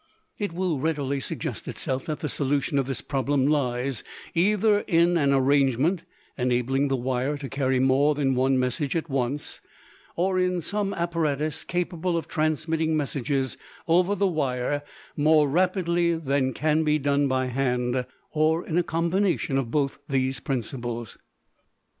It will readily suggest itself that the solution of this problem lies either in an arrangement enabling the wire to carry more than one message at once, or in some apparatus capable of transmitting messages over the wire more rapidly than can be done by hand, or in a combination of both these principles.